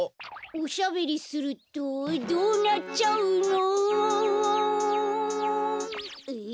おしゃべりするとどうなっちゃうのおおおん。え？